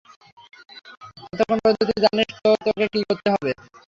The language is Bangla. ততক্ষণ পর্যন্ত তুই জানিস তো তোকে কী করতে হবে?